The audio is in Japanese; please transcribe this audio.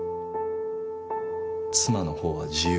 妻の方は自由。